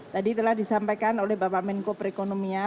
tadi telah disampaikan oleh bapak menko perekonomian